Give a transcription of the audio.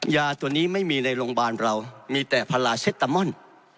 ยาตัวนี้ไม่มีในโรงพยาบาลมีแต่พลาเช็ดตัมมอนด์